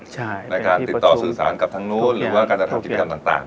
ใช่เป็นที่ประชุมในการติดต่อสื่อสารกับทั้งนู้นหรือว่าการการทำกิจกรรมต่าง